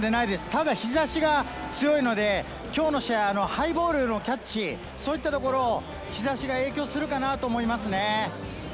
ただ、日差しが強いので、きょうの試合、ハイボールのキャッチ、そういったところ、日差しが影響するかなと思いますね。